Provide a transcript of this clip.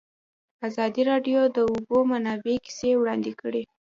ازادي راډیو د د اوبو منابع کیسې وړاندې کړي.